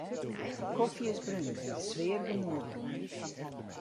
De kofje is brún en de sfear gemoedlik.